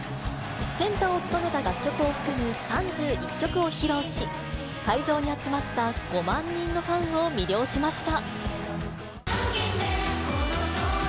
センターを務めた楽曲を含む３１曲を披露し、会場に集まった５万人のファンを魅了しました。